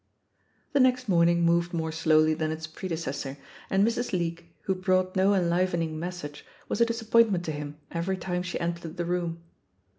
The next morning moved more slowly than its predecessor, and Mrs. Leake, who brought no enlivening message, was a disappointment to him every time she entered the room.